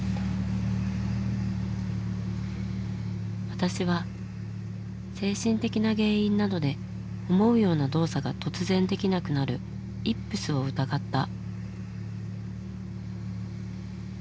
私は精神的な原因などで思うような動作が突然できなくなる「イップス」を疑った。